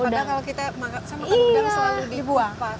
padahal kalau kita makan udang selalu dikupas